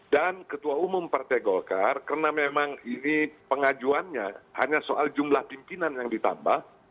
dan ketua umum partai golkar karena memang ini pengajuannya hanya soal jumlah pimpinan yang ditambah